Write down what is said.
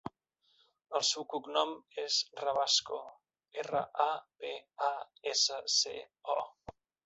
El seu cognom és Rabasco: erra, a, be, a, essa, ce, o.